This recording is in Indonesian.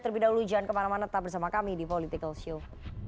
terlebih dahulu jangan kemana mana tetap bersama kami di political show